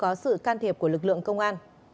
để đảm bảo an toàn hết sức can thiệp của lực lượng công an